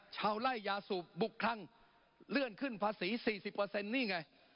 ไล่ยาสูบบุกคลั่งเลื่อนขึ้นภาษี๔๐นี่ไง